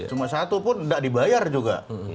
cuma satu pun tidak dibayar juga